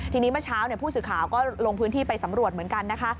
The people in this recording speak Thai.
ทีนี้เมื่อเช้าผู้สื่อข่าวก็ลงพื้นที่ไปสำรวจเหมือนกันนะคะ